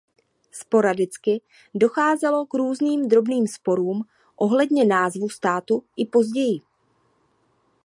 Sporadicky docházelo k různým drobným sporům ohledně názvu státu i později.